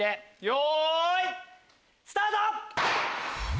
よいスタート！